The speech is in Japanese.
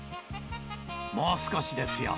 もう少しですよ。